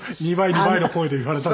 ２倍！」の声で言われたんですね。